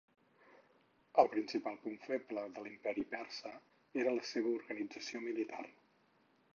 El principal punt feble de l'imperi persa era la seva organització militar.